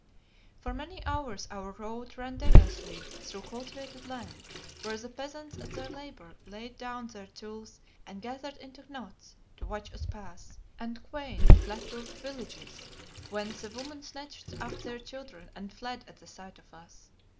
For many hours our road ran deviously through cultivated land, where the peasants at their labour laid down their tools and gathered into knots to watch us pass, and quaint, flat roofed villages, whence the women snatched up their children and fled at the sight of us.